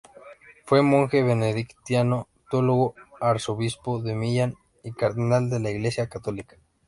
Fue monje benedictino, teólogo, Arzobispo de Milán y cardenal de la Iglesia católica.